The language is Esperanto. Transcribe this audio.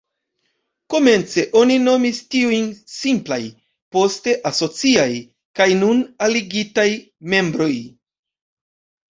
Komence oni nomis tiujn "simplaj", poste "asociaj" kaj nun "aligitaj" membroj.